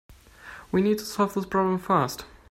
We need to solve this problem fast.